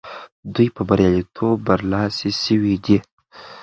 دوی په بریالیتوب برلاسي سوي دي.